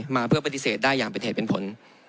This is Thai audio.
มาเพื่อปฏิเสธได้อย่างเป็นเหตุเป็นผล